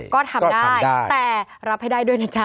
ก็ทำได้แต่รับให้ได้ด้วยนะจ๊